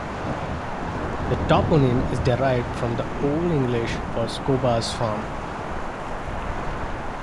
The toponym is derived from the Old English for "Scobba's farm".